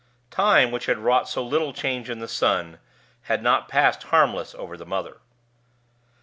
Time, which had wrought so little change in the son, had not passed harmless over the mother.